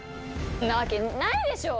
そんなわけないでしょ！